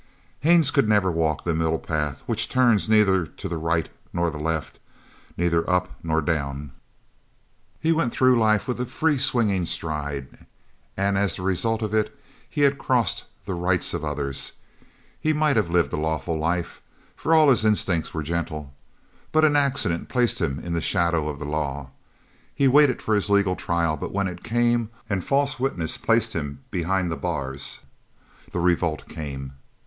Haines could never walk that middle path which turns neither to the right nor the left, neither up nor down. He went through life with a free swinging stride, and as the result of it he had crossed the rights of others. He might have lived a lawful life, for all his instincts were gentle. But an accident placed him in the shadow of the law. He waited for his legal trial, but when it came and false witness placed him behind the bars, the revolt came.